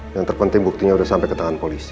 yang terpenting buktinya sudah sampai ke tangan polisi